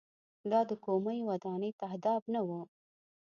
دا د کومۍ ودانۍ تهداب نه و.